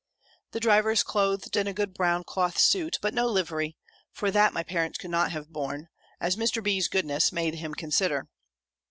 The driver is clothed in a good brown cloth suit, but no livery; for that my parents could not have borne, as Mr. B.'s goodness made him consider.